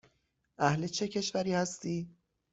اهل چه کشوری هستی؟